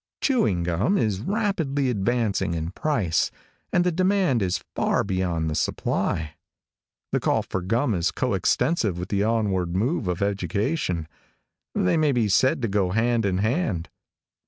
Chewing gum is rapidly advancing in price, and the demand is far beyond the supply. The call for gum is co extensive with the onward move of education. They may be said to go hand in hand.